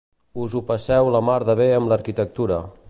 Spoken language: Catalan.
Us ho passeu la mar de bé amb l'arquitectura.